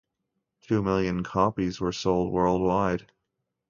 Two million copies were sold worldwide.